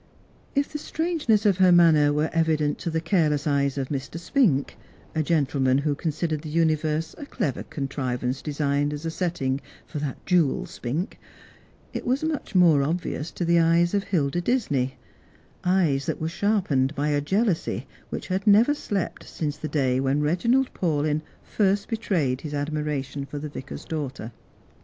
If the strangeness of her manner were evident to the careless eyes of Mr. Spink — a gentleman who considered the universe a clever contrivance designed as a setting for that jewel Spink — it was much more obvious to the eyes of Hilda Disney, eyes that were sharpened by a jealousy which had never slept since the day when Reginald Paulyn first betrayed his admu ation for the Yicar's daughter.